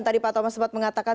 tadi pak thomas sempat mengatakan